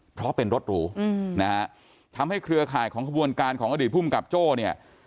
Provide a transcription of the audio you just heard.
เพราะเป็นรถหรูนะฮะทำให้เครือข่ายของขบวนการของอดีตภูมิกับโจ้เนี่ย